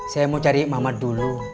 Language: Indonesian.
saya mau cari mama dulu